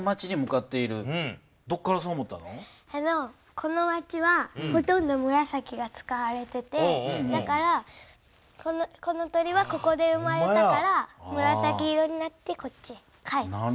この町はほとんどむらさきが使われててだからこの鳥はここで生まれたからむらさき色になってこっちへ帰る。